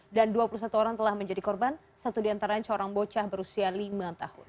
dan dua puluh satu orang telah menjadi korban satu diantara yang corang bocah berusia lima tahun